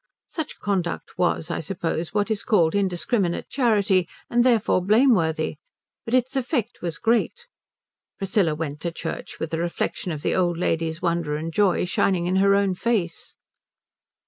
Such conduct was, I suppose, what is called indiscriminate charity and therefore blameworthy, but its effect was great. Priscilla went to church with the reflection of the old lady's wonder and joy shining in her own face.